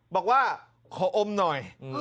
บอกว่าขออมหน่อย